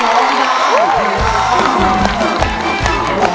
สุดท้าย